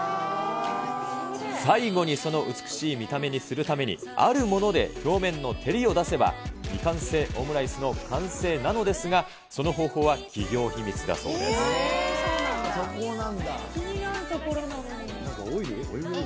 最後にその美しい見た目にするために、あるもので表面の照りを出せば、未完成オムライスの完成なのですが、その方法は企業秘密だそうでえいっ。